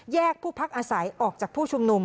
ผู้พักอาศัยออกจากผู้ชุมนุม